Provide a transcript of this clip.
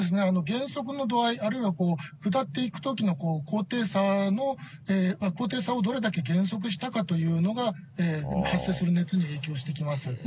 減速の度合い、あるいは下っていくときの高低差をどれだけ減速したかというのが、発生する熱に影響してきます。